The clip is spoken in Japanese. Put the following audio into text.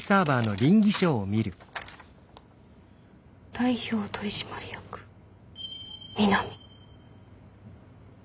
代表取締役三並。